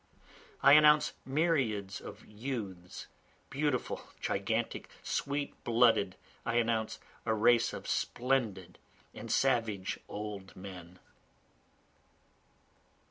I announce myriads of youths, beautiful, gigantic, sweet blooded, I announce a race of splendid and savage old men.